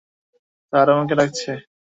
Sir, আপনাকে ডাকছে।